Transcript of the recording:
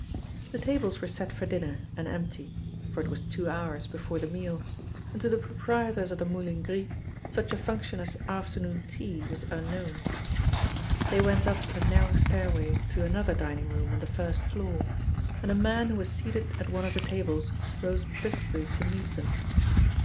The tables were set for dinner and empty, for it was two hours before the meal, and to the proprietors of the "Moulin Gris" such a function as afternoon tea was unknown. They went up a narrow stairway to another dining room on the first floor, and a man who was seated at one of the tables rose briskly to meet them.